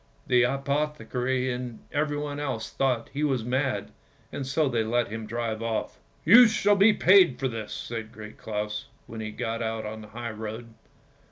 The apothecary and everyone else thought he was mad, and so they let him drive off. " You shall be paid for this! " said Great Claus, when he got out on the high road.